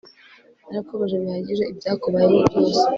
narakubabaje bihagije ibyakubayeho byose